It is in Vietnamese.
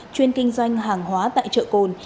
chuyên kinh doanh hàng hóa tại chợ cồn